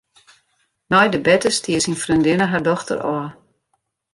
Nei de berte stie syn freondinne har dochter ôf.